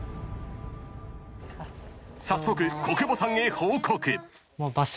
［早速小久保さんへ報告］